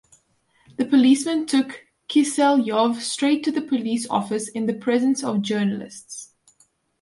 The policemen took Kiselyov straight to the police office in the presence of journalists.